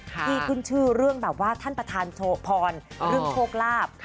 ที่ขึ้นชื่อเรื่องแบบว่าท่านประธานพรเรื่องโชคลาภ